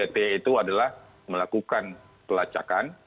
tiga t itu adalah melakukan pelacakan